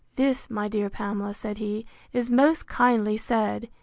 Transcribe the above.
This, my dear Pamela, said he, is most kindly said!